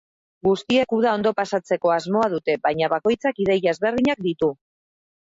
Guztiek uda ondo pasatzeko asmoa dute, baina bakoitzak ideia ezberdinak ditu.